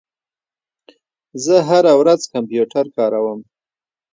زه هره ورځ کمپیوټر کاروم.